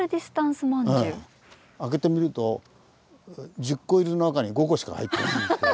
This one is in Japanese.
開けてみると１０個入りの中に５個しか入ってないっていう。